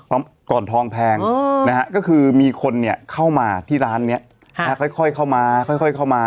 ก่อนทองแพงนะฮะก็คือมีคนเนี่ยเข้ามาที่ร้านนี้ค่อยเข้ามาค่อยเข้ามา